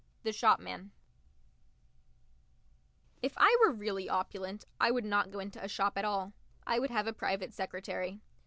THE SHOPMAN If I were really opulent, I would not go into a shop at all I would have a private secretary.